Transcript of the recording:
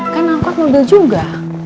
kan angkot mobil juga